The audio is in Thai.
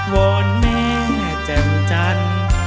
วอนแม่แจ่มจันทร์